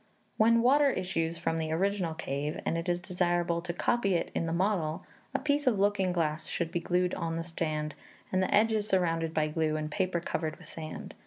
When water issues from the original cave, and it is desirable to copy it in the model, a piece of looking glass should be glued on the stand, and the edges surrounded by glue, and paper covered with sand.